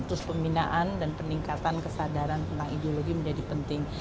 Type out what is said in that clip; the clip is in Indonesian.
terus pembinaan dan peningkatan kesadaran tentang ideologi menjadi penting